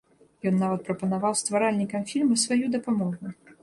Ён нават прапанаваў стваральнікам фільма сваю дапамогу.